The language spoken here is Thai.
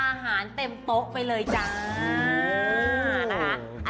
อาหารเต็มโต๊ะไปเลยจ้านะคะ